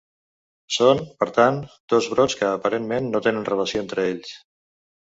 Són, per tant, dos brots que aparentment no tenen relació entre ells.